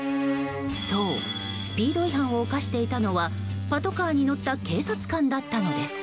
そう、スピード違反を犯していたのはパトカーに乗った警察官だったのです。